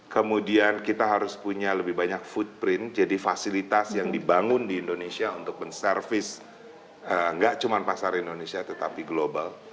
kemudian kita harus punya lebih banyak footprint jadi fasilitas yang dibangun di indonesia untuk menservis nggak cuma pasar indonesia tetapi global